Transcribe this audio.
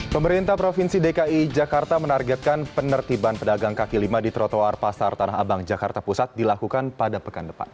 pemerintah provinsi dki jakarta menargetkan penertiban pedagang kaki lima di trotoar pasar tanah abang jakarta pusat dilakukan pada pekan depan